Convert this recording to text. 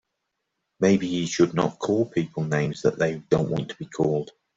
Maybe he should not call people names that they don't want to be called.